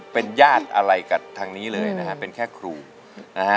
เป็นญาติอะไรกับทางนี้เลยนะฮะเป็นแค่ครูนะฮะ